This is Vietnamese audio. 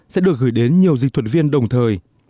sẽ được gửi đến nhiều dịch thuật viên đồng thời